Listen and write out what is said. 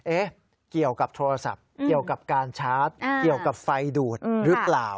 เกี่ยวกับโทรศัพท์เกี่ยวกับการชาร์จเกี่ยวกับไฟดูดหรือเปล่า